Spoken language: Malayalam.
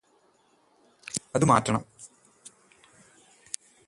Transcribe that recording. അതും മാറ്റണം